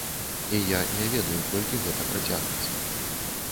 І я не ведаю, колькі гэта працягнецца.